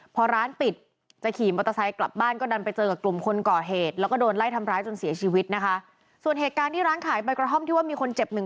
ฝากความหวังไว้กับลูกชายคนนี้ครับ